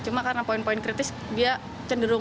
cuma karena poin poin kritis dia cenderung